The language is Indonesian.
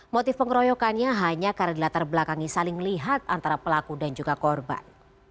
motif pengeroyokannya hanya karena di latar belakangnya saling melihat antara pelaku dan juga korban